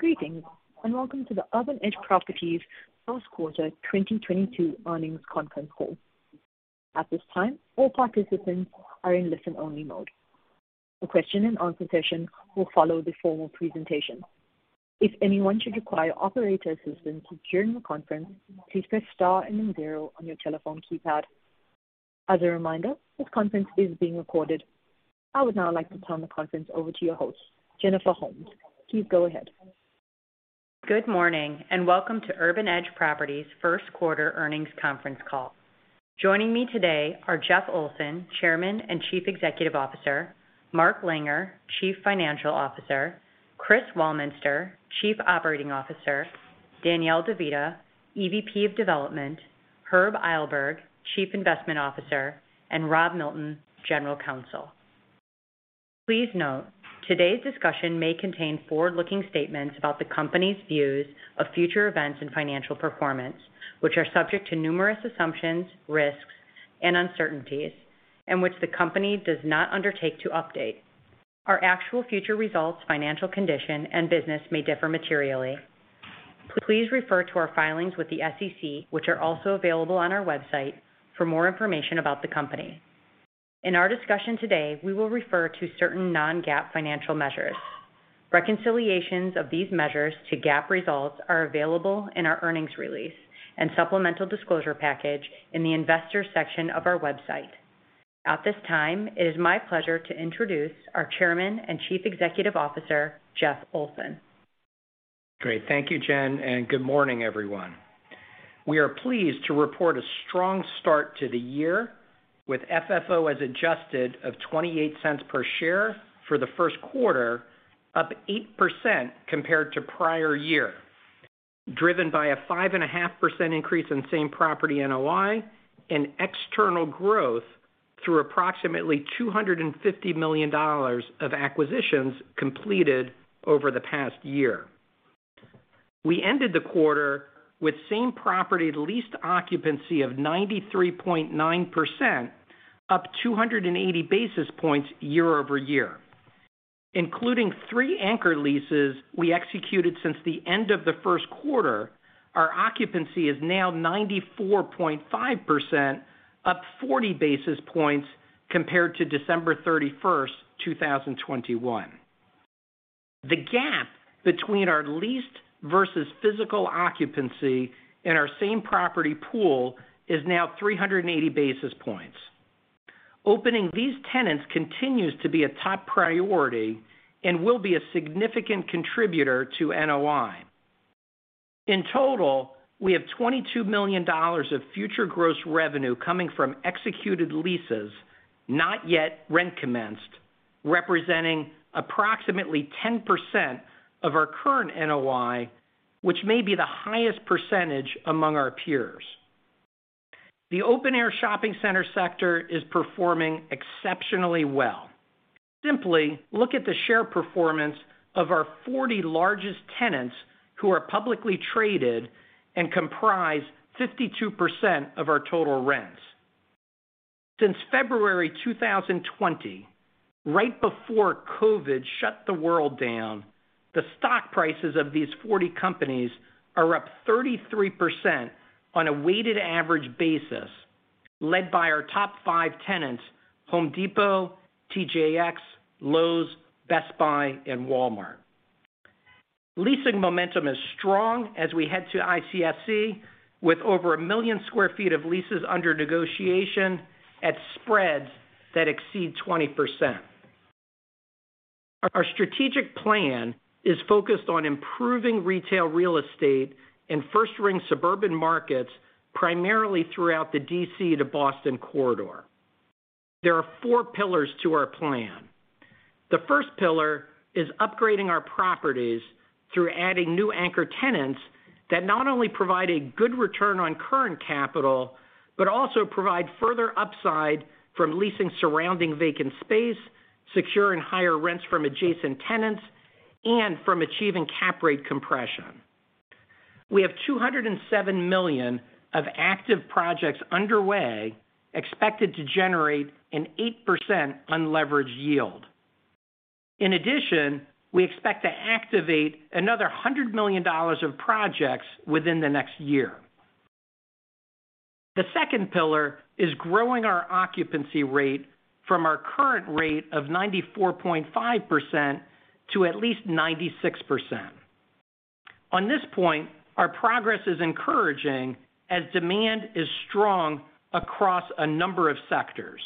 Greetings, and welcome to the Urban Edge Properties first quarter 2022 earnings conference call. At this time, all participants are in listen-only mode. A question-and-answer session will follow the formal presentation. If anyone should require operator assistance during the conference, please press star and then zero on your telephone keypad. As a reminder, this conference is being recorded. I would now like to turn the conference over to your host, Jennifer Holmes. Please go ahead. Good morning, and welcome to Urban Edge Properties first quarter earnings conference call. Joining me today are Jeff Olson, Chairman and Chief Executive Officer, Mark Langer, Chief Financial Officer, Chris Weilminster, Chief Operating Officer, Danielle De Vita, EVP of Development, Herb Eilberg, Chief Investment Officer, and Rob Milton, General Counsel. Please note, today's discussion may contain forward-looking statements about the company's views of future events and financial performance, which are subject to numerous assumptions, risks, and uncertainties, and which the company does not undertake to update. Our actual future results, financial condition, and business may differ materially. Please refer to our filings with the SEC, which are also available on our website for more information about the company. In our discussion today, we will refer to certain non-GAAP financial measures. Reconciliations of these measures to GAAP results are available in our earnings release and supplemental disclosure package in the investor section of our website. At this time, it is my pleasure to introduce our Chairman and Chief Executive Officer, Jeff Olson. Great. Thank you, Jen, and good morning, everyone. We are pleased to report a strong start to the year with FFO as adjusted of $0.28 per share for the first quarter, up 8% compared to prior year, driven by a 5.5% increase in same-property NOI and external growth through approximately $250 million of acquisitions completed over the past year. We ended the quarter with same-property leased occupancy of 93.9%, up 280 basis points year-over-year. Including three anchor leases we executed since the end of the first quarter, our occupancy is now 94.5%, up 40 basis points compared to December 31, 2021. The gap between our leased versus physical occupancy in our same-property pool is now 380 basis points. Opening these tenants continues to be a top priority and will be a significant contributor to NOI. In total, we have $22 million of future gross revenue coming from executed leases, not yet rent commenced, representing approximately 10% of our current NOI, which may be the highest percentage among our peers. The open-air shopping center sector is performing exceptionally well. Simply look at the share performance of our 40 largest tenants who are publicly traded and comprise 52% of our total rents. Since February 2020, right before COVID shut the world down, the stock prices of these 40 companies are up 33% on a weighted average basis, led by our top five tenants, Home Depot, TJX, Lowe's, Best Buy, and Walmart. Leasing momentum is strong as we head to ICSC with over 1 million sq ft of leases under negotiation at spreads that exceed 20%. Our strategic plan is focused on improving retail real estate in first-ring suburban markets, primarily throughout the D.C. to Boston corridor. There are four pillars to our plan. The first pillar is upgrading our properties through adding new anchor tenants that not only provide a good return on current capital, but also provide further upside from leasing surrounding vacant space, securing higher rents from adjacent tenants, and from achieving cap rate compression. We have $207 million of active projects underway expected to generate an 8% unleveraged yield. In addition, we expect to activate another $100 million of projects within the next year. The second pillar is growing our occupancy rate from our current rate of 94.5% to at least 96%. On this point, our progress is encouraging as demand is strong across a number of sectors.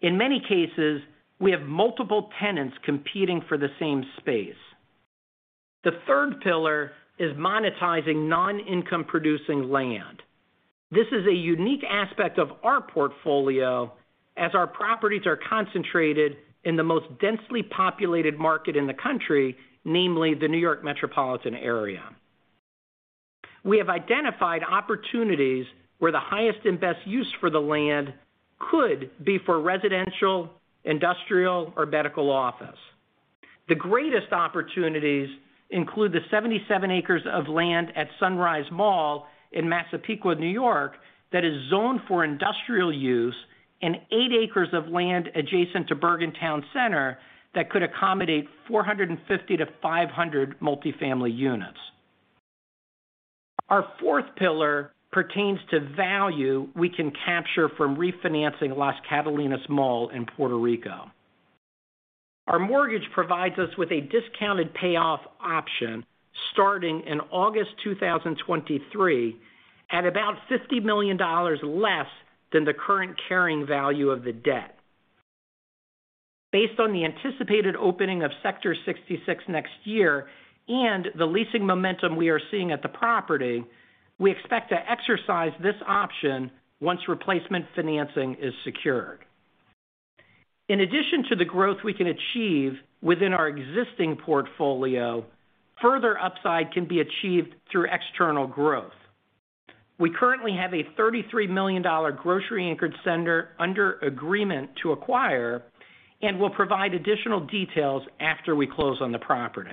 In many cases, we have multiple tenants competing for the same space. The third pillar is monetizing non-income producing land. This is a unique aspect of our portfolio as our properties are concentrated in the most densely populated market in the country, namely the New York metropolitan area. We have identified opportunities where the highest and best use for the land could be for residential, industrial, or medical office. The greatest opportunities include the 77 acres of land at Sunrise Mall in Massapequa, New York, that is zoned for industrial use, and 8 acres of land adjacent to Bergen Town Center that could accommodate 450-500 multifamily units. Our fourth pillar pertains to value we can capture from refinancing Las Catalinas Mall in Puerto Rico. Our mortgage provides us with a discounted payoff option starting in August 2023 at about $50 million less than the current carrying value of the debt. Based on the anticipated opening of Sector 66 next year and the leasing momentum we are seeing at the property, we expect to exercise this option once replacement financing is secured. In addition to the growth we can achieve within our existing portfolio, further upside can be achieved through external growth. We currently have a $33 million grocery anchored center under agreement to acquire, and we'll provide additional details after we close on the property.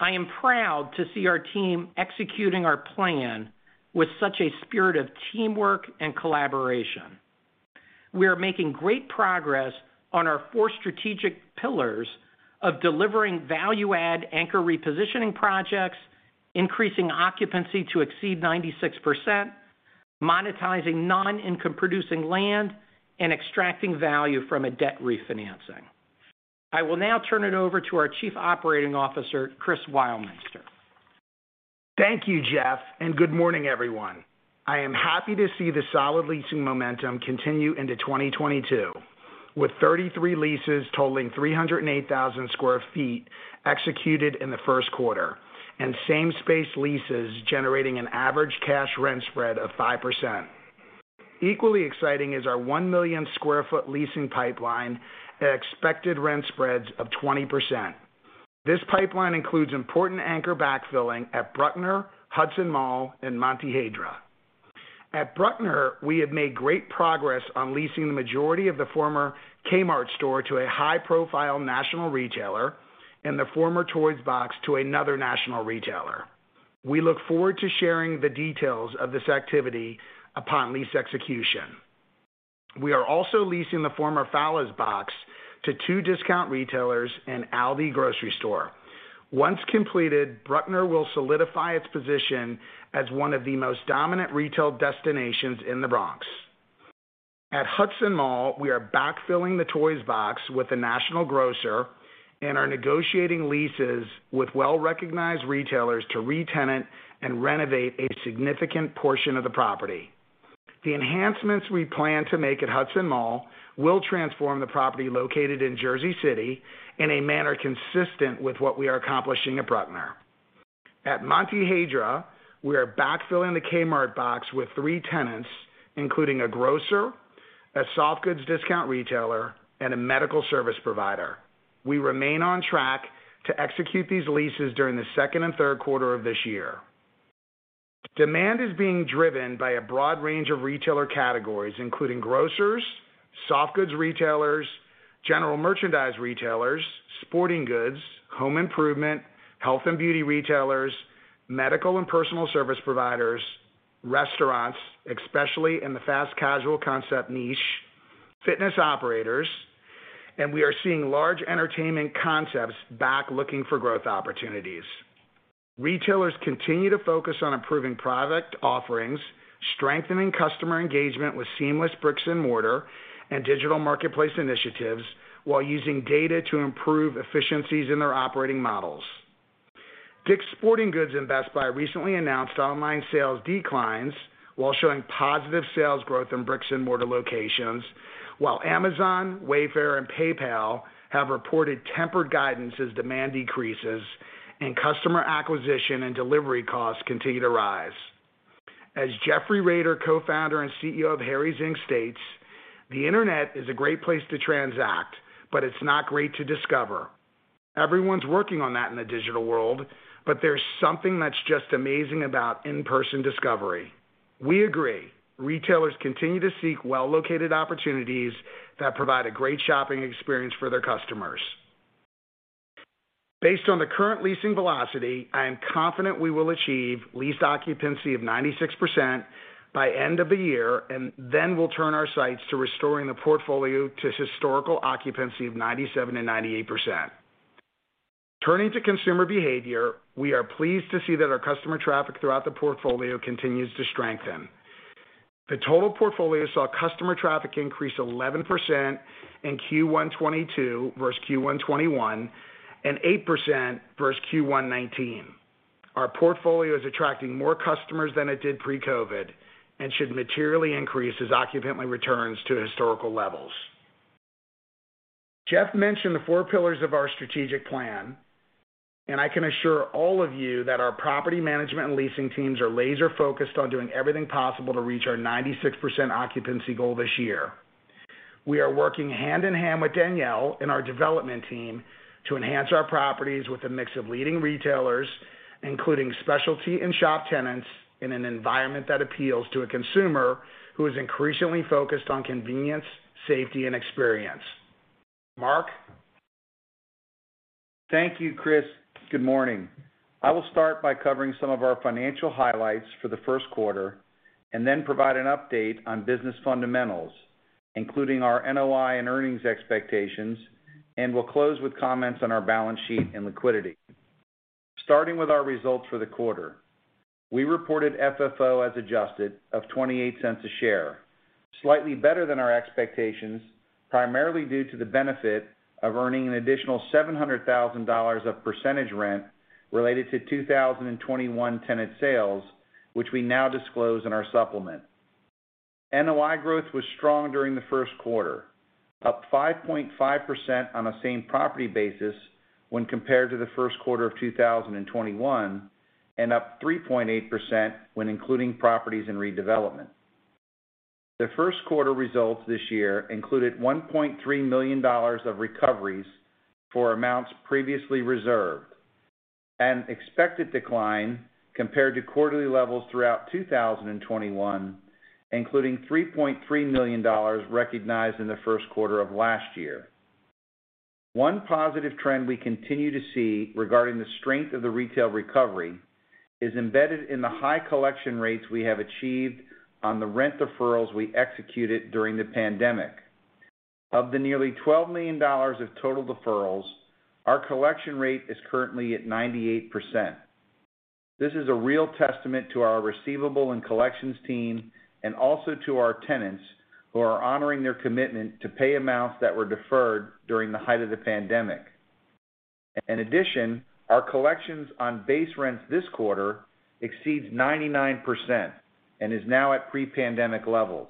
I am proud to see our team executing our plan with such a spirit of teamwork and collaboration. We are making great progress on our four strategic pillars of delivering value-add anchor repositioning projects, increasing occupancy to exceed 96%, monetizing non-income producing land, and extracting value from a debt refinancing. I will now turn it over to our Chief Operating Officer, Chris Weilminster. Thank you, Jeff, and good morning, everyone. I am happy to see the solid leasing momentum continue into 2022, with 33 leases totaling 308,000 sq ft executed in the first quarter, and same space leases generating an average cash rent spread of 5%. Equally exciting is our 1 million sq ft leasing pipeline at expected rent spreads of 20%. This pipeline includes important anchor backfilling at Bruckner, Hudson Mall and Montehiedra. At Bruckner, we have made great progress on leasing the majority of the former Kmart store to a high-profile national retailer and the former Toys R Us to another national retailer. We look forward to sharing the details of this activity upon lease execution. We are also leasing the former Fallas box to two discount retailers and Aldi grocery store. Once completed, Bruckner will solidify its position as one of the most dominant retail destinations in the Bronx. At Hudson Mall, we are backfilling the Toys R Us box with a national grocer and are negotiating leases with well-recognized retailers to retenant and renovate a significant portion of the property. The enhancements we plan to make at Hudson Mall will transform the property located in Jersey City in a manner consistent with what we are accomplishing at Bruckner. At Montehiedra, we are backfilling the Kmart box with three tenants, including a grocer, a soft goods discount retailer, and a medical service provider. We remain on track to execute these leases during the second and third quarter of this year. Demand is being driven by a broad range of retailer categories, including grocers, soft goods retailers, general merchandise retailers, sporting goods, home improvement, health and beauty retailers, medical and personal service providers, restaurants, especially in the fast casual concept niche, fitness operators, and we are seeing large entertainment concepts back looking for growth opportunities. Retailers continue to focus on improving product offerings, strengthening customer engagement with seamless bricks and mortar and digital marketplace initiatives, while using data to improve efficiencies in their operating models. Dick's Sporting Goods and Best Buy recently announced online sales declines while showing positive sales growth in bricks and mortar locations, while Amazon, Wayfair and PayPal have reported tempered guidance as demand decreases and customer acquisition and delivery costs continue to rise. As Jeffrey Raider, co-founder and Co-CEO of Harry's, Inc., states, "The internet is a great place to transact, but it's not great to discover. Everyone's working on that in the digital world, but there's something that's just amazing about in-person discovery." We agree. Retailers continue to seek well-located opportunities that provide a great shopping experience for their customers. Based on the current leasing velocity, I am confident we will achieve leased occupancy of 96% by end of the year, and then we'll turn our sights to restoring the portfolio to historical occupancy of 97% and 98%. Turning to consumer behavior, we are pleased to see that our customer traffic throughout the portfolio continues to strengthen. The total portfolio saw customer traffic increase 11% in Q1 2022 versus Q1 2021, and 8% versus Q1 2019. Our portfolio is attracting more customers than it did pre-COVID and should materially increase as occupancy returns to historical levels. Jeff mentioned the four pillars of our strategic plan, and I can assure all of you that our property management and leasing teams are laser-focused on doing everything possible to reach our 96% occupancy goal this year. We are working hand-in-hand with Danielle and our development team to enhance our properties with a mix of leading retailers, including specialty and shop tenants in an environment that appeals to a consumer who is increasingly focused on convenience, safety, and experience. Mark. Thank you, Chris. Good morning. I will start by covering some of our financial highlights for the first quarter and then provide an update on business fundamentals. Including our NOI and earnings expectations, and we'll close with comments on our balance sheet and liquidity. Starting with our results for the quarter. We reported FFO, as adjusted, of $0.28 per share, slightly better than our expectations, primarily due to the benefit of earning an additional $700,000 of percentage rent related to 2021 tenant sales, which we now disclose in our supplement. NOI growth was strong during the first quarter, up 5.5% on a same-property basis when compared to the first quarter of 2021, and up 3.8% when including properties in redevelopment. The first quarter results this year included $1.3 million of recoveries for amounts previously reserved. An expected decline compared to quarterly levels throughout 2021, including $3.3 million recognized in the first quarter of last year. One positive trend we continue to see regarding the strength of the retail recovery is embedded in the high collection rates we have achieved on the rent deferrals we executed during the pandemic. Of the nearly $12 million of total deferrals, our collection rate is currently at 98%. This is a real testament to our receivable and collections team, and also to our tenants, who are honoring their commitment to pay amounts that were deferred during the height of the pandemic. In addition, our collections on base rents this quarter exceeds 99% and is now at pre-pandemic levels.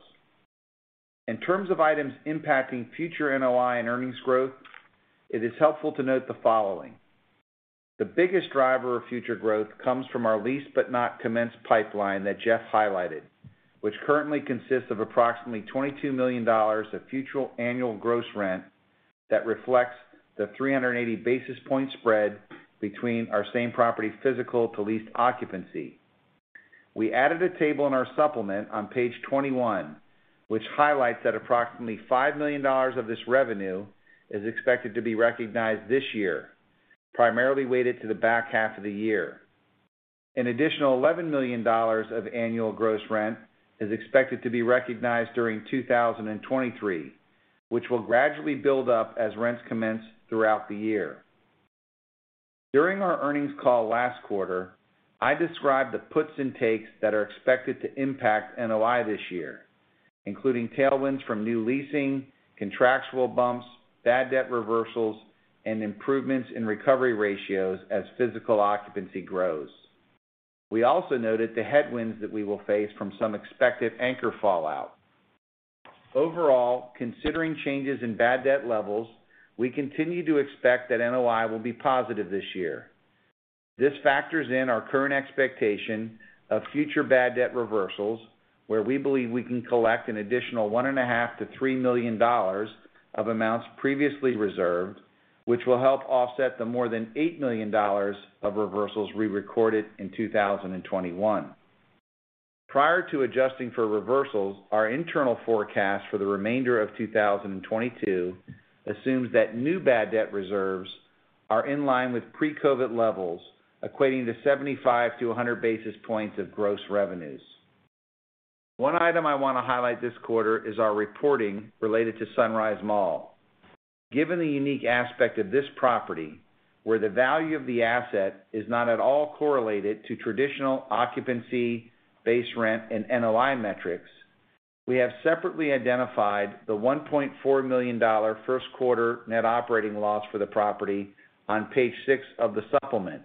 In terms of items impacting future NOI and earnings growth, it is helpful to note the following. The biggest driver of future growth comes from our leased but not commenced pipeline that Jeff highlighted, which currently consists of approximately $22 million of future annual gross rent that reflects the 380 basis point spread between our same-property physical to leased occupancy. We added a table in our supplement on page 21, which highlights that approximately $5 million of this revenue is expected to be recognized this year, primarily weighted to the back half of the year. An additional $11 million of annual gross rent is expected to be recognized during 2023, which will gradually build up as rents commence throughout the year. During our earnings call last quarter, I described the puts and takes that are expected to impact NOI this year, including tailwinds from new leasing, contractual bumps, bad debt reversals, and improvements in recovery ratios as physical occupancy grows. We also noted the headwinds that we will face from some expected anchor fallout. Overall, considering changes in bad debt levels, we continue to expect that NOI will be positive this year. This factors in our current expectation of future bad debt reversals, where we believe we can collect an additional $1.5 million-$3 million of amounts previously reserved, which will help offset the more than $8 million of reversals re-recorded in 2021. Prior to adjusting for reversals, our internal forecast for the remainder of 2022 assumes that new bad debt reserves are in line with pre-COVID levels, equating to 75-100 basis points of gross revenues. One item I wanna highlight this quarter is our reporting related to Sunrise Mall. Given the unique aspect of this property, where the value of the asset is not at all correlated to traditional occupancy, base rent, and NOI metrics, we have separately identified the $1.4 million first quarter net operating loss for the property on page 6 of the supplement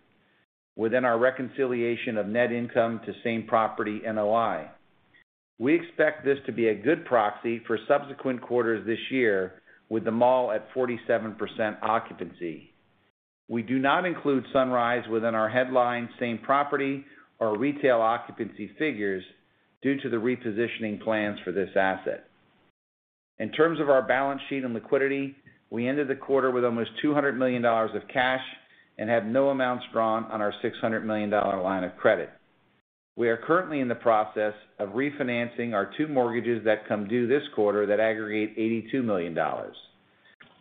within our reconciliation of net income to same-property NOI. We expect this to be a good proxy for subsequent quarters this year with the mall at 47% occupancy. We do not include Sunrise within our headline, same-property or retail occupancy figures due to the repositioning plans for this asset. In terms of our balance sheet and liquidity, we ended the quarter with almost $200 million of cash and have no amounts drawn on our $600 million line of credit. We are currently in the process of refinancing our two mortgages that come due this quarter that aggregate $82 million.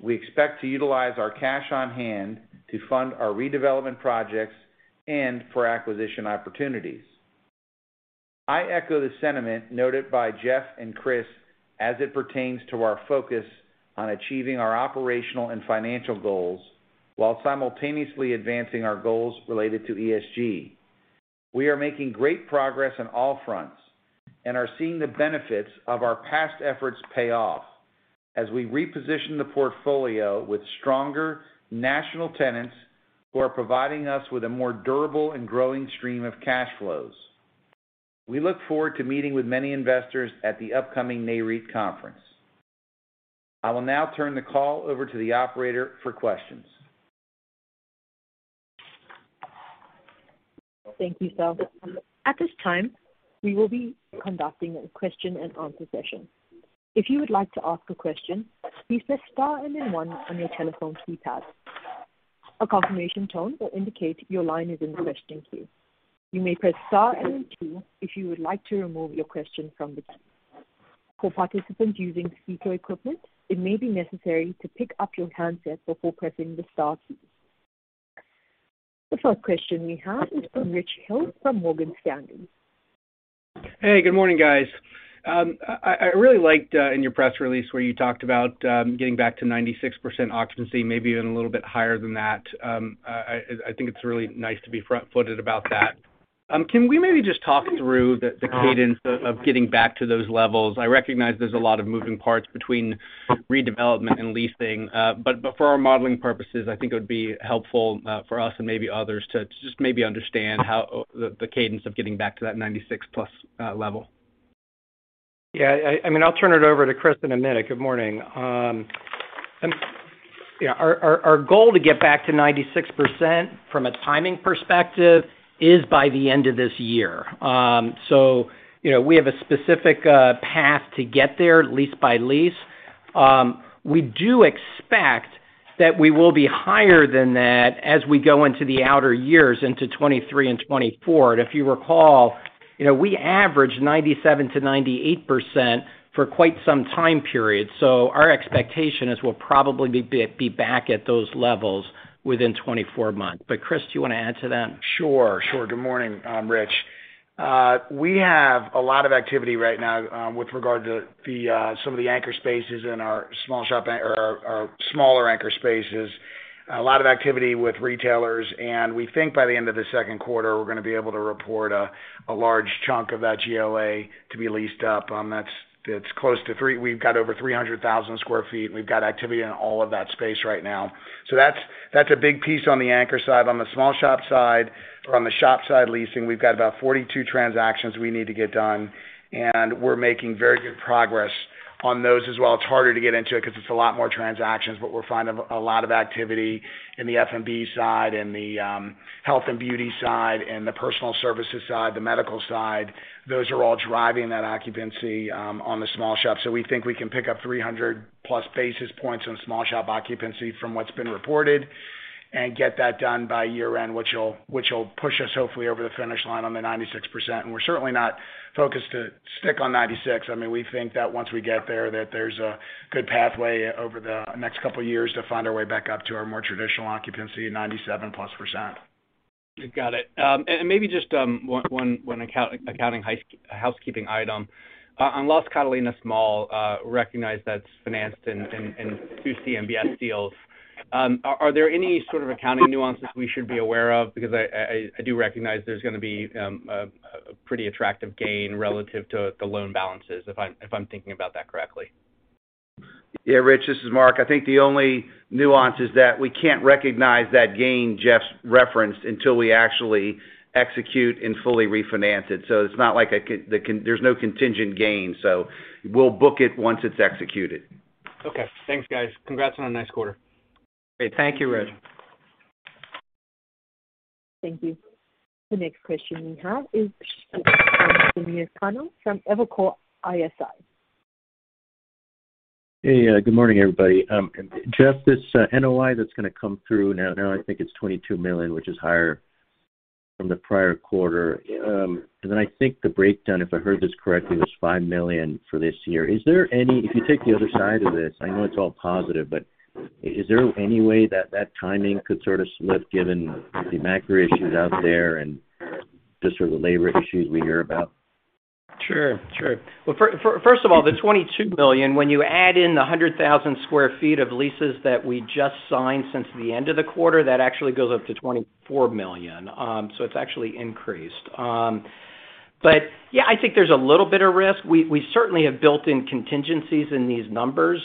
We expect to utilize our cash on hand to fund our redevelopment projects and for acquisition opportunities. I echo the sentiment noted by Jeff and Chris as it pertains to our focus on achieving our operational and financial goals while simultaneously advancing our goals related to ESG. We are making great progress on all fronts and are seeing the benefits of our past efforts pay off as we reposition the portfolio with stronger national tenants who are providing us with a more durable and growing stream of cash flows. We look forward to meeting with many investors at the upcoming Nareit conference. I will now turn the call over to the operator for questions. Thank you, Phil. At this time, we will be conducting a question and answer session. If you would like to ask a question, please press star and then one on your telephone keypad. A confirmation tone will indicate your line is in the question queue. You may press star and then two if you would like to remove your question from the queue. For participants using speaker equipment, it may be necessary to pick up your handset before pressing the star key. The first question we have is from Richard Hill from Morgan Stanley. Hey, good morning, guys. I really liked in your press release where you talked about getting back to 96% occupancy, maybe even a little bit higher than that. I think it's really nice to be front-footed about that. Can we maybe just talk through the cadence of getting back to those levels? I recognize there's a lot of moving parts between redevelopment and leasing, but for our modeling purposes, I think it would be helpful for us and maybe others to just maybe understand the cadence of getting back to that 96+ level. Yeah, I mean, I'll turn it over to Chris in a minute. Good morning. Yeah, our goal to get back to 96% from a timing perspective is by the end of this year. You know, we have a specific path to get there lease by lease. We do expect that we will be higher than that as we go into the outer years into 2023 and 2024. If you recall, you know, we averaged 97%-98% for quite some time period. Our expectation is we'll probably be back at those levels within 24 months. Chris, do you wanna add to that? Sure. Good morning, Richard. We have a lot of activity right now with regard to some of the anchor spaces in our smaller anchor spaces. A lot of activity with retailers, and we think by the end of the second quarter, we're gonna be able to report a large chunk of that GLA to be leased up. That's close to three. We've got over 300,000 sq ft. We've got activity in all of that space right now. That's a big piece on the anchor side. On the small shop side or on the shop side leasing, we've got about 42 transactions we need to get done, and we're making very good progress on those as well. It's harder to get into it 'cause it's a lot more transactions, but we're finding a lot of activity in the F&B side and the health and beauty side and the personal services side, the medical side. Those are all driving that occupancy on the small shops. We think we can pick up 300+ basis points on small shop occupancy from what's been reported and get that done by year-end, which will push us hopefully over the finish line on the 96%. We're certainly not focused to stick on 96%. I mean, we think that once we get there that there's a good pathway over the next couple of years to find our way back up to our more traditional occupancy, 97+%. You got it. Maybe just one accounting housekeeping item. On Las Catalinas Mall, recognize that's financed in 2 CMBS deals. Are there any sort of accounting nuances we should be aware of? Because I do recognize there's gonna be a pretty attractive gain relative to the loan balances, if I'm thinking about that correctly. Yeah, Richard, this is Mark. I think the only nuance is that we can't recognize that gain Jeff has referenced until we actually execute and fully refinance it. There's no contingent gain, so we'll book it once it's executed. Okay. Thanks, guys. Congrats on a nice quarter. Great. Thank you, Richard. Thank you. The next question we have is from Evercore ISI. Hey, good morning, everybody. Jeff, this NOI that's gonna come through now, I think it's $22 million, which is higher than the prior quarter. Then I think the breakdown, if I heard this correctly, was $5 million for this year. If you take the other side of this, I know it's all positive, but is there any way that timing could sort of slip given the macro issues out there and just sort of the labor issues we hear about? Sure. Well, first of all, the $22 million, when you add in the 100,000 sq ft of leases that we just signed since the end of the quarter, that actually goes up to $24 million. It's actually increased. But yeah, I think there's a little bit of risk. We certainly have built in contingencies in these numbers,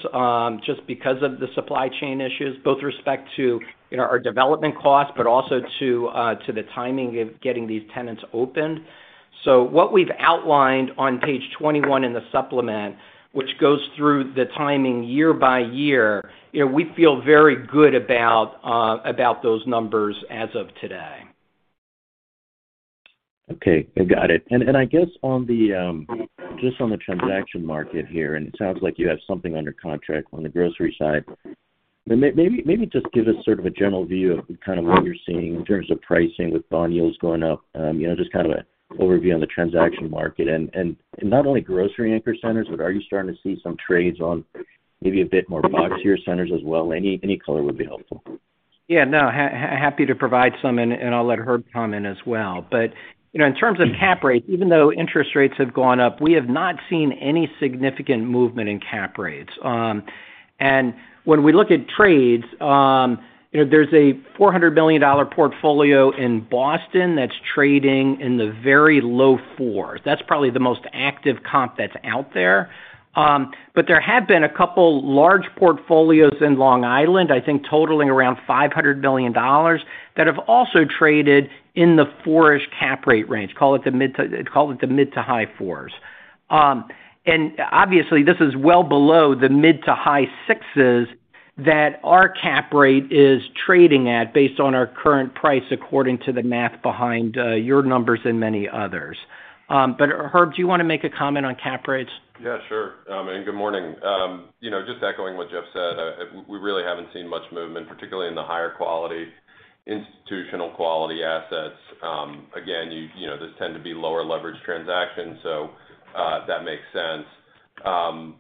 just because of the supply chain issues, both with respect to, you know, our development costs, but also to the timing of getting these tenants opened. What we've outlined on page 21 in the supplement, which goes through the timing year by year, you know, we feel very good about those numbers as of today. Okay. Got it. I guess just on the transaction market here, and it sounds like you have something under contract on the grocery side. Maybe just give us sort of a general view of kind of what you're seeing in terms of pricing with bond yields going up, you know, just kind of a overview on the transaction market. Not only grocery anchor centers, but are you starting to see some trades on maybe a bit more boxier centers as well? Any color would be helpful. Happy to provide some, and I'll let Herb comment as well. You know, in terms of cap rates, even though interest rates have gone up, we have not seen any significant movement in cap rates. When we look at trades, you know, there's a $400 million portfolio in Boston that's trading in the very low 4s. That's probably the most active comp that's out there. There have been a couple large portfolios in Long Island, I think totaling around $500 million, that have also traded in the 4-ish cap rate range, call it the mid- to high 4s. Obviously, this is well below the mid- to high-sixes that our cap rate is trading at based on our current price, according to the math behind your numbers and many others. Herb, do you wanna make a comment on cap rates? Yeah, sure. Good morning. You know, just echoing what Jeff said, we really haven't seen much movement, particularly in the higher quality, institutional quality assets. Again, you know, this tend to be lower leverage transactions, so that makes sense.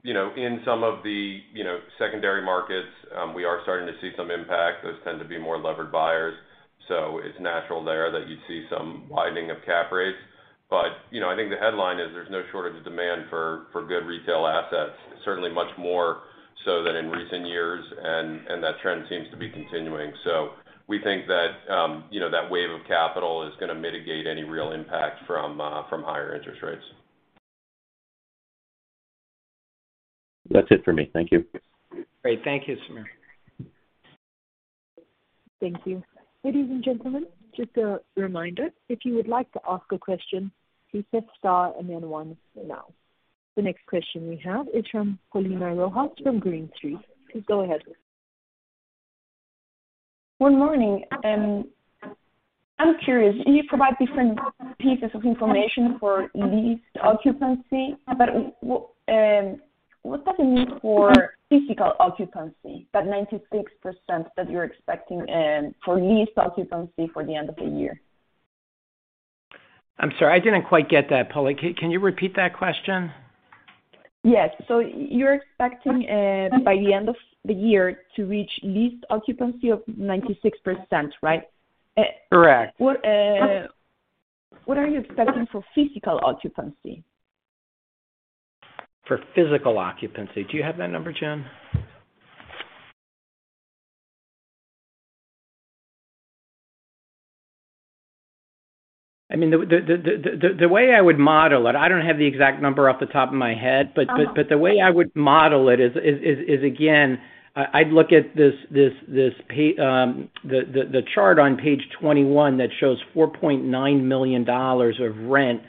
You know, in some of the, you know, secondary markets, we are starting to see some impact. Those tend to be more levered buyers, so it's natural there that you'd see some widening of cap rates. You know, I think the headline is there's no shortage of demand for good retail assets, certainly much more so than in recent years, and that trend seems to be continuing. We think that, you know, that wave of capital is gonna mitigate any real impact from higher interest rates. That's it for me. Thank you. Great. Thank you, Samir. Thank you. Ladies and gentlemen, just a reminder, if you would like to ask a question, please press star and then one now. The next question we have is from Paulina Rojas from Green Street. Please go ahead. Good morning. I'm curious, can you provide different pieces of information for leased occupancy? What does it mean for physical occupancy, that 96% that you're expecting, for leased occupancy for the end of the year? I'm sorry, I didn't quite get that, Paulina. Can you repeat that question? Yes. You're expecting, by the end of the year to reach leased occupancy of 96%, right? Correct. What are you expecting for physical occupancy? For physical occupancy. Do you have that number, Jen? I mean, the way I would model it. I don't have the exact number off the top of my head, but. Uh-huh. The way I would model it is again, I'd look at the chart on page 21 that shows $4.9 million of rent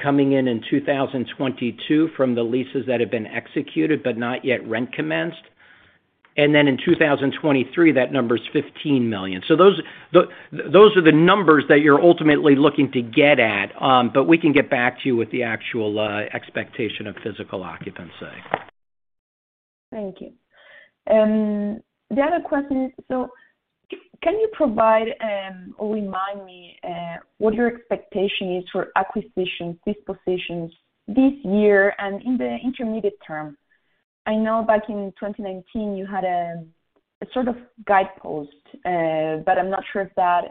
coming in in 2022 from the leases that have been executed but not yet rent commenced. In 2023, that number is $15 million. Those are the numbers that you're ultimately looking to get at, but we can get back to you with the actual expectation of physical occupancy. Thank you. The other question is, so can you provide or remind me what your expectation is for acquisitions, dispositions this year and in the intermediate term? I know back in 2019 you had a sort of guidepost, but I'm not sure if that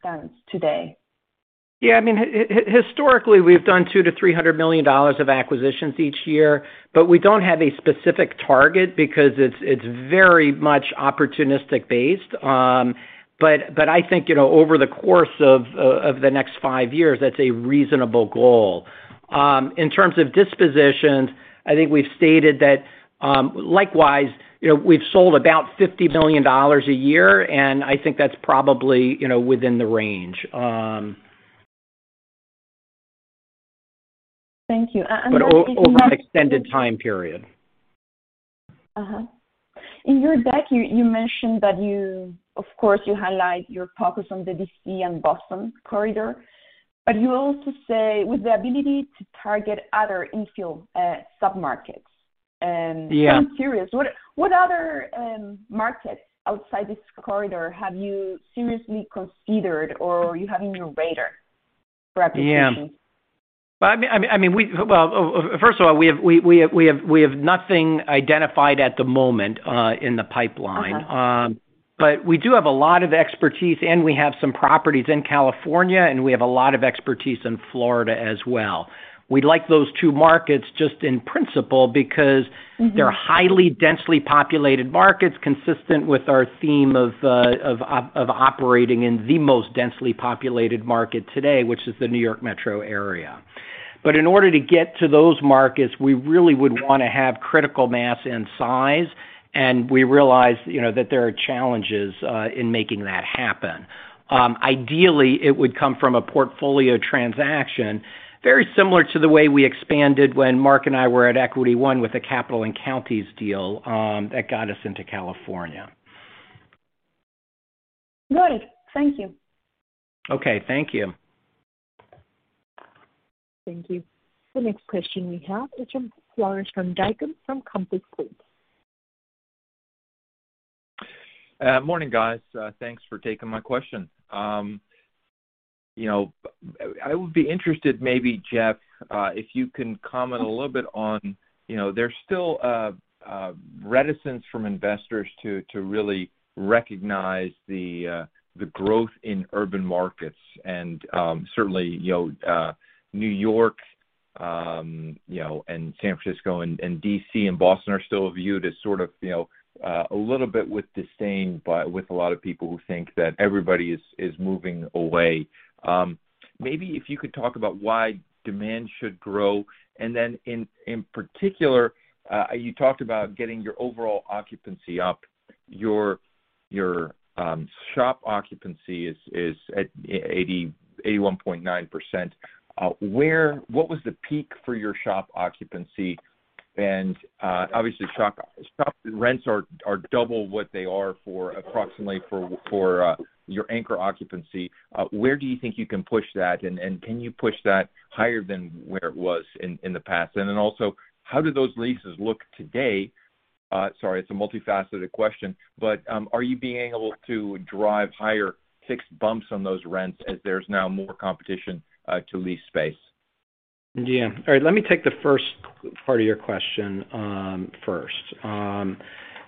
stands today. Yeah. I mean, historically we've done $200 million-$300 million of acquisitions each year, but we don't have a specific target because it's very much opportunistic based. I think, you know, over the course of the next 5 years, that's a reasonable goal. In terms of dispositions, I think we've stated that, likewise, you know, we've sold about $50 million a year, and I think that's probably, you know, within the range. Thank you. If you don't- Over an extended time period. In your deck, you mentioned that of course, you highlight your focus on the D.C. and Boston corridor, but you also say with the ability to target other infill sub-markets. Yeah. I'm curious, what other markets outside this corridor have you seriously considered or you have in your radar for acquisition? Yeah. I mean, well, first of all, we have nothing identified at the moment in the pipeline. Uh-huh. We do have a lot of expertise, and we have some properties in California, and we have a lot of expertise in Florida as well. We like those two markets just in principle because. Mm-hmm. They're highly densely populated markets consistent with our theme of operating in the most densely populated market today, which is the New York metro area. In order to get to those markets, we really would wanna have critical mass and size, and we realize, you know, that there are challenges in making that happen. Ideally, it would come from a portfolio transaction, very similar to the way we expanded when Mark and I were at Equity One with the Capital & Counties deal, that got us into California. Right. Thank you. Okay. Thank you. Thank you. The next question we have is from Floris van Dijkum. Morning, guys. Thanks for taking my question. You know, I would be interested maybe, Jeff, if you can comment a little bit on, you know, there's still a reticence from investors to really recognize the growth in urban markets. Certainly, you know, New York, you know, and San Francisco and D.C. and Boston are still viewed as sort of, you know, a little bit with disdain by a lot of people who think that everybody is moving away. Maybe if you could talk about why demand should grow. Then in particular, you talked about getting your overall occupancy up. Your shop occupancy is at 81.9%. What was the peak for your shop occupancy? Obviously, shop rents are double what they are approximately for your anchor occupancy. Where do you think you can push that, and can you push that higher than where it was in the past? How do those leases look today? Sorry, it's a multifaceted question, but are you being able to drive higher fixed bumps on those rents as there's now more competition to lease space? Yeah. All right, let me take the first part of your question, first.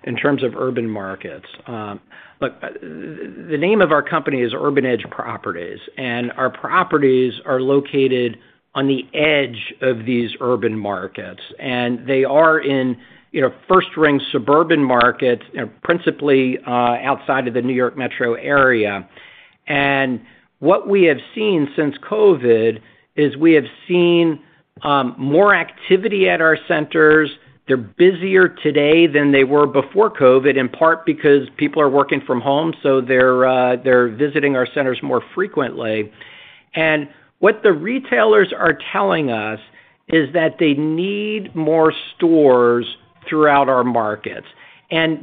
In terms of urban markets, look, the name of our company is Urban Edge Properties, and our properties are located on the edge of these urban markets. They are in, you know, first-ring suburban markets, principally, outside of the New York metro area. What we have seen since COVID is we have seen more activity at our centers. They're busier today than they were before COVID, in part because people are working from home, so they're visiting our centers more frequently. What the retailers are telling us is that they need more stores throughout our markets.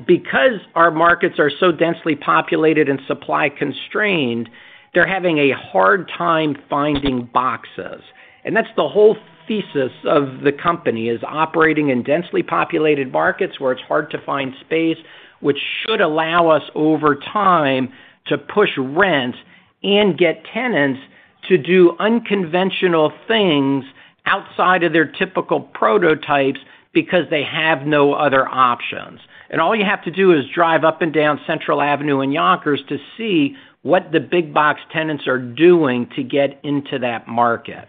Because our markets are so densely populated and supply-constrained, they're having a hard time finding boxes. That's the whole thesis of the company, is operating in densely populated markets where it's hard to find space, which should allow us, over time, to push rent and get tenants to do unconventional things outside of their typical prototypes because they have no other options. All you have to do is drive up and down Central Avenue in Yonkers to see what the big box tenants are doing to get into that market.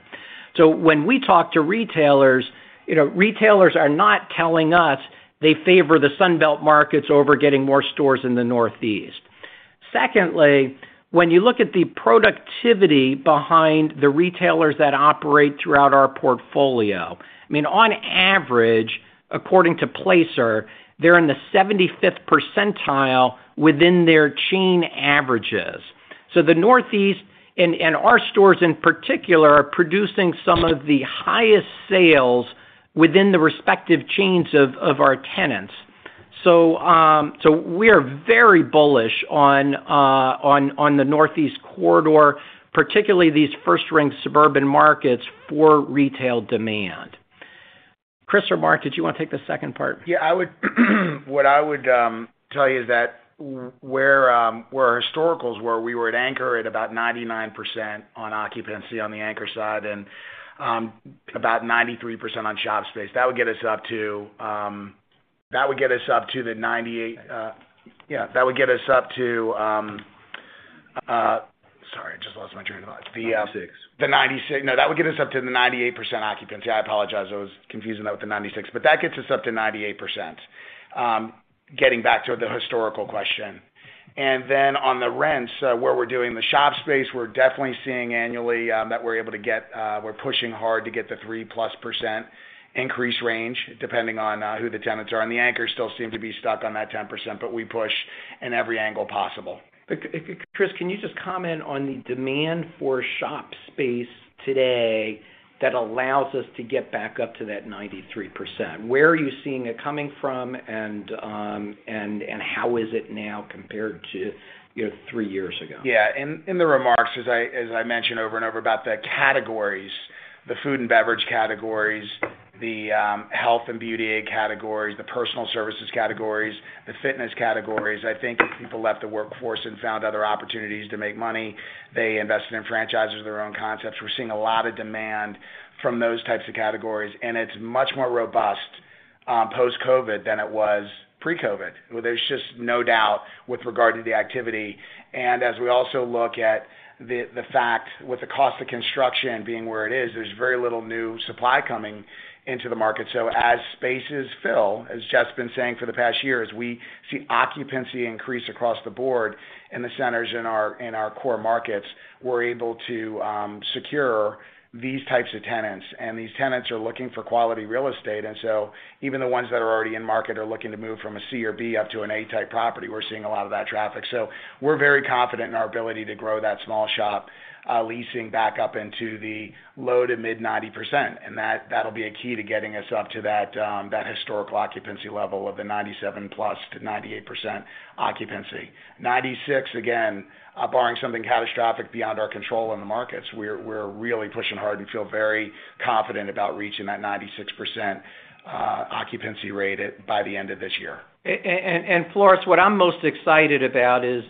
When we talk to retailers, you know, retailers are not telling us they favor the Sun Belt markets over getting more stores in the Northeast. Secondly, when you look at the productivity behind the retailers that operate throughout our portfolio, I mean, on average, according to Placer.ai, they're in the 75th percentile within their chain averages. The Northeast and our stores in particular are producing some of the highest sales within the respective chains of our tenants. We are very bullish on the Northeast Corridor, particularly these first-ring suburban markets for retail demand. Chris or Mark, did you want to take the second part? What I would tell you is that where our historicals were, we were at anchor at about 99% on occupancy on the anchor side and about 93% on shop space. That would get us up to 98%. Sorry, I just lost my train of thought. Ninety-six. That would get us up to the 98% occupancy. I apologize. I was confusing that with the 96. That gets us up to 98%, getting back to the historical question. Then on the rents, where we're doing the shop space, we're definitely seeing annually that we're able to get, we're pushing hard to get the 3%+ increase range, depending on who the tenants are. The anchors still seem to be stuck on that 10%, but we push in every angle possible. Chris, can you just comment on the demand for shop space today that allows us to get back up to that 93%? Where are you seeing it coming from, and how is it now compared to, you know, three years ago? Yeah. In the remarks, as I mentioned over and over about the categories, the food and beverage categories, the health and beauty aid categories, the personal services categories, the fitness categories, I think as people left the workforce and found other opportunities to make money, they invested in franchises of their own concepts. We're seeing a lot of demand from those types of categories, and it's much more robust post-COVID than it was pre-COVID. There's just no doubt with regard to the activity. As we also look at the fact with the cost of construction being where it is, there's very little new supply coming into the market. As spaces fill, as Jeff's been saying for the past years, we see occupancy increase across the board in the centers in our core markets. We're able to secure these types of tenants, and these tenants are looking for quality real estate, and so even the ones that are already in market are looking to move from a C or B up to an A-type property. We're seeing a lot of that traffic. We're very confident in our ability to grow that small shop leasing back up into the low- to mid-90%. That'll be a key to getting us up to that historical occupancy level of the 97%+ to 98% occupancy. 96%, again, barring something catastrophic beyond our control in the markets, we're really pushing hard and feel very confident about reaching that 96% occupancy rate by the end of this year. Floris, what I'm most excited about is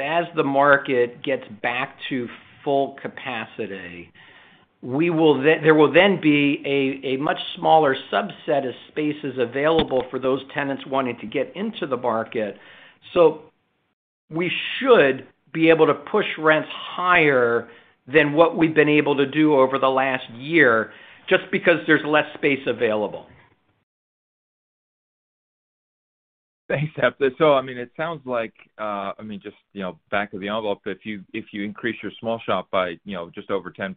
as the market gets back to full capacity, there will then be a much smaller subset of spaces available for those tenants wanting to get into the market. We should be able to push rents higher than what we've been able to do over the last year, just because there's less space available. Thanks, Jeff. I mean, it sounds like, I mean, just, you know, back of the envelope, if you increase your small shop by, you know, just over 10%,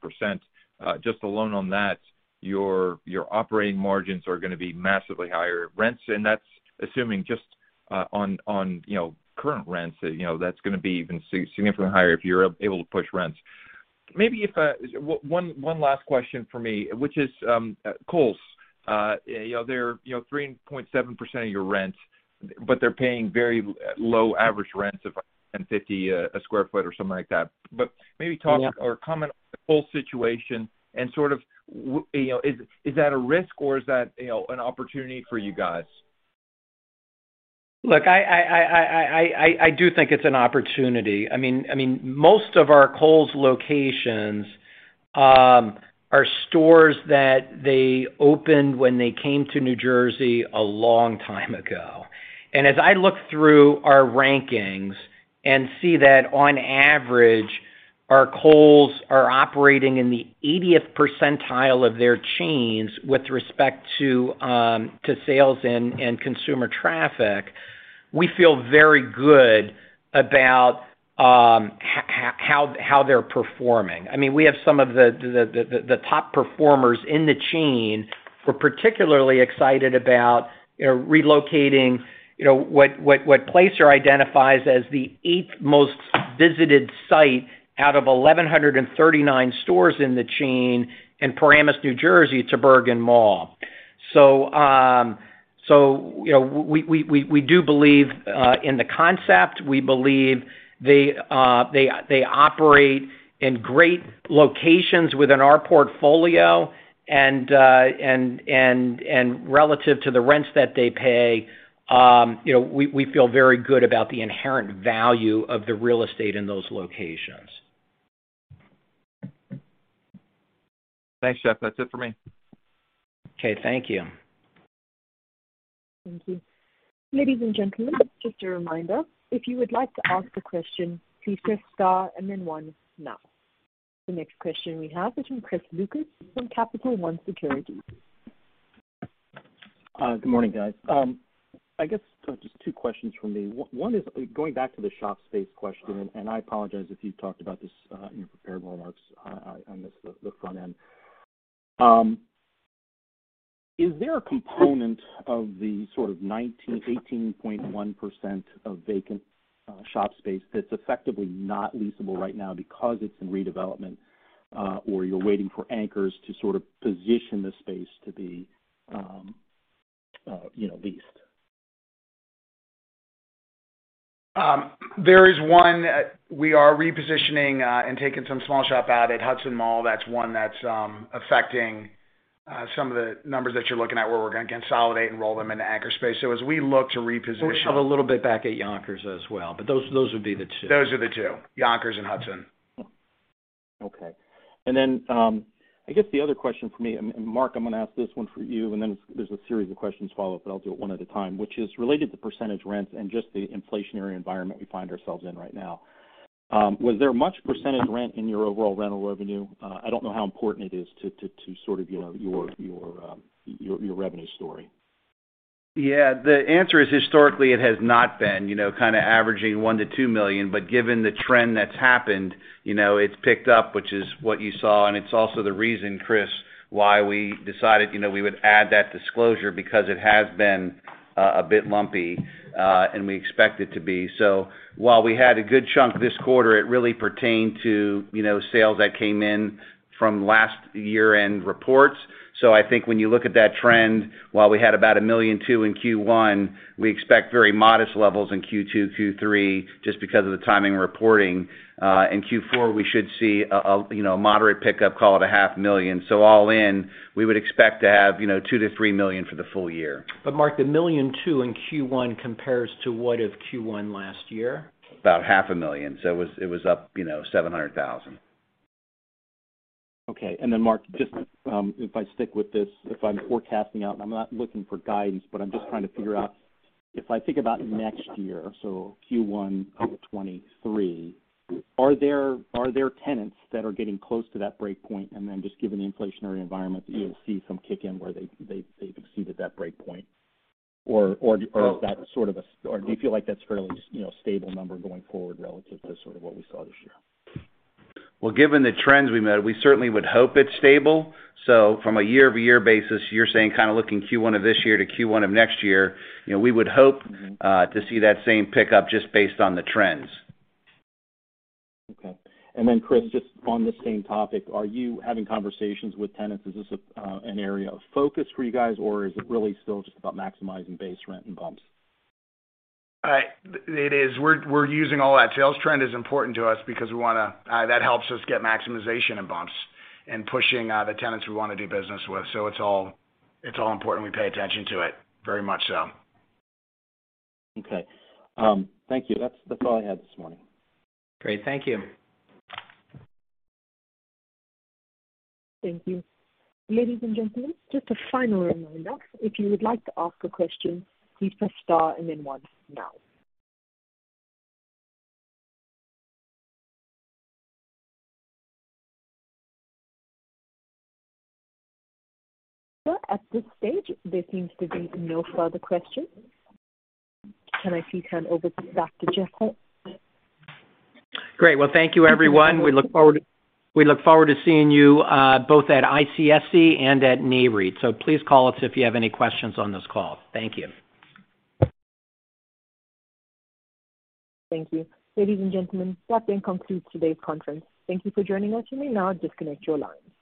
just alone on that, your operating margins are gonna be massively higher rents, and that's assuming just, on, you know, current rents. You know, that's gonna be even significantly higher if you're able to push rents. Maybe one last question from me, which is, Kohl's, you know, they're, you know, 3.7% of your rent. They're paying very low average rents of $10.50 a sq ft or something like that. Maybe talk- Yeah. Comment on the whole situation and sort of, you know, is that a risk or is that, you know, an opportunity for you guys? Look, I do think it's an opportunity. I mean, most of our Kohl's locations are stores that they opened when they came to New Jersey a long time ago. As I look through our rankings and see that on average, our Kohl's are operating in the 80th percentile of their chains with respect to sales and consumer traffic, we feel very good about how they're performing. I mean, we have some of the top performers in the chain. We're particularly excited about, you know, relocating, you know, what Placer identifies as the 8th most visited site out of 1,139 stores in the chain in Paramus, New Jersey to Bergen Mall. You know, we do believe in the concept. We believe they operate in great locations within our portfolio and relative to the rents that they pay, you know, we feel very good about the inherent value of the real estate in those locations. Thanks, Jeff. That's it for me. Okay. Thank you. Thank you. Ladies and gentlemen, just a reminder, if you would like to ask a question, please press star and then one now. The next question we have is from Chris Lucas from Capital One Securities. Good morning, guys. I guess just two questions from me. One is going back to the shop space question, and I apologize if you talked about this in your prepared remarks. I missed the front end. Is there a component of the sort of 18.1% of vacant shop space that's effectively not leasable right now because it's in redevelopment or you're waiting for anchors to sort of position the space to be, you know, leased? There is one. We are repositioning and taking some small shop out at Hudson Mall. That's one that's affecting some of the numbers that you're looking at, where we're gonna consolidate and roll them into anchor space. As we look to reposition- We'll shove a little bit back at Yonkers as well. Those would be the two. Those are the two, Yonkers and Hudson. Okay. I guess the other question for me, and Mark, I'm gonna ask this one for you, and then there's a series of questions to follow up, but I'll do it one at a time. Which is related to percentage rents and just the inflationary environment we find ourselves in right now. Was there much percentage rent in your overall rental revenue? I don't know how important it is to sort of, you know, your revenue story. Yeah. The answer is historically it has not been. You know, kinda averaging $1-$2 million, but given the trend that's happened, you know, it's picked up, which is what you saw. It's also the reason, Chris, why we decided, you know, we would add that disclosure because it has been a bit lumpy and we expect it to be. While we had a good chunk this quarter, it really pertained to, you know, sales that came in from last year-end reports. I think when you look at that trend, while we had about $1.2 million in Q1, we expect very modest levels in Q2, Q3, just because of the timing reporting. In Q4, we should see a moderate pickup, call it a half million. All in, we would expect to have, you know, $2-3 million for the full year. Mark, the $1.2 million in Q1 compares to what in Q1 last year? About $ half a million. It was up, you know, $700,000. Okay. Mark, just, if I stick with this, if I'm forecasting out, and I'm not looking for guidance, but I'm just trying to figure out. If I think about next year, so Q1 of 2023, are there tenants that are getting close to that break point and then just given the inflationary environment that you'll see some kick in where they've exceeded that break point? Or is that sort of a, or do you feel like that's a fairly, you know, stable number going forward relative to sort of what we saw this year? Well, given the trends we made, we certainly would hope it's stable. From a year-over-year basis, you're saying kinda looking Q1 of this year to Q1 of next year. You know, we would hope- Mm-hmm. to see that same pickup just based on the trends. Okay. Chris, just on this same topic, are you having conversations with tenants? Is this an area of focus for you guys, or is it really still just about maximizing base rent and bumps? It is. We're using all that. Sales trend is important to us because we wanna that helps us get maximization and bumps and pushing the tenants we wanna do business with. It's all important. We pay attention to it, very much so. Okay. Thank you. That's all I had this morning. Great. Thank you. Thank you. Ladies and gentlemen, just a final reminder. If you would like to ask a question, please press star and then one now. At this stage, there seems to be no further questions. Can I please hand over back to Jeff Olson? Great. Well, thank you, everyone. We look forward to seeing you both at ICSC and at NAREIT. Please call us if you have any questions on this call. Thank you. Thank you. Ladies and gentlemen, that then concludes today's conference. Thank you for joining us. You may now disconnect your lines.